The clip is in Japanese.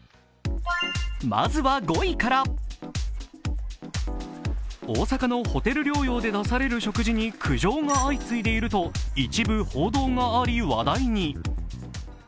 まずは５位から、大阪のホテル療養で出される食事に苦情が相次いでいると一部報道があり、話題に。